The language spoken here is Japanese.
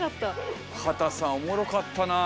秦さんおもろかったな。